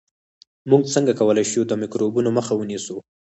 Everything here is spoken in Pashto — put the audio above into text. موږ څنګه کولای شو د میکروبونو مخه ونیسو